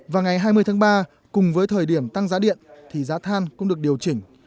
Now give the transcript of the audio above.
và ngày hai mươi tháng ba cùng với thời điểm tăng giá điện thì giá than cũng được điều chỉnh